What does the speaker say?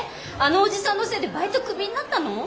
あのおじさんのせいでバイトクビになったの？